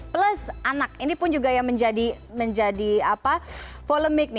plus anak ini pun juga yang menjadi polemik